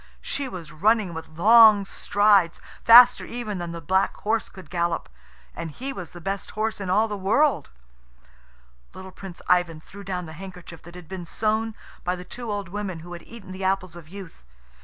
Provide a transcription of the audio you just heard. She was running with long strides, faster even than the black horse could gallop and he was the best horse in all the world. Little Prince Ivan threw down the handkerchief that had been sewn by the two old women who had eaten the apples of youth.